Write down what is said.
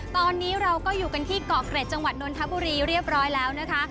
ตอนนี้เราก็อยู่กันที่เกาะเกร็ดจังหวัดนนทบุรีเรียบร้อยแล้วนะคะ